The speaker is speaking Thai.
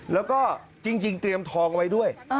แล้วก็จริงเตรียมทองไว้ด้วย